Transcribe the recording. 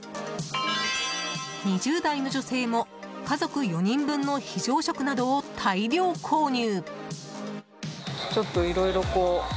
２０代の女性も、家族４人分の非常食などを大量購入。